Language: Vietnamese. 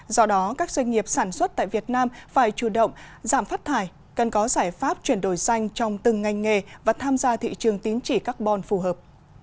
do đó các doanh nghiệp sản xuất tại việt nam phải chủ động giảm phát thải cần có giải pháp chuyển đổi xanh trong từng ngành nghề và tham gia thị trường tín chỉ carbon phù hợp